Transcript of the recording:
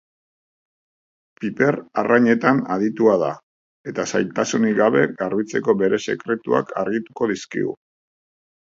Piper arrainetan aditua da, eta zailtasunik gabe garbitzeko bere sekretuak argituko dizkigu.